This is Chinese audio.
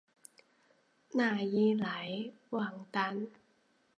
讷伊莱旺丹。